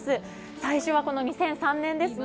最初は２００３年ですね。